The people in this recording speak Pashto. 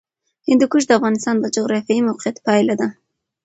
هندوکش د افغانستان د جغرافیایي موقیعت پایله ده.